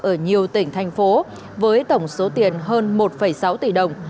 ở nhiều tỉnh thành phố với tổng số tiền hơn một sáu tỷ đồng